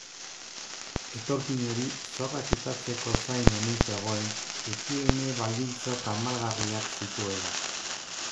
Etorkin hori zorra kitatzeko zain omen zegoen, higiene baldintza tamalgarriak zituela.